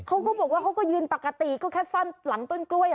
เขาก็บอกว่าเขาก็ยืนปกติก็แค่ซ่อนหลังต้นกล้วย